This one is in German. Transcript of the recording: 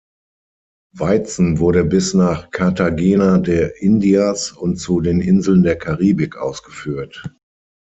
Weizen wurde bis nach Cartagena de Indias und zu den Inseln der Karibik ausgeführt.